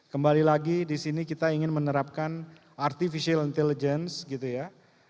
kembali lagi di sini kita ingin menerapkan artificial intelligence gitu ya